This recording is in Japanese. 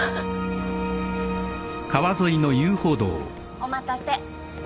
お待たせ。